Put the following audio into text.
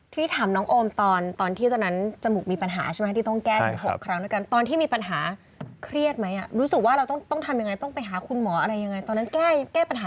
ทีนี้ถามน้องโอมตอนที่ตอนนั้นจมูกมีปัญหาใช่ไหมที่ต้องแก้ถึง๖ครั้งด้วยกันตอนที่มีปัญหาเครียดไหมรู้สึกว่าเราต้องทำยังไงต้องไปหาคุณหมออะไรยังไงตอนนั้นแก้ปัญหา